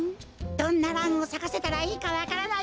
どんなランをさかせたらいいかわからない。